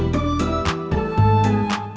sampai jumpa lagi